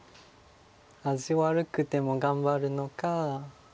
味悪くても頑張るのか。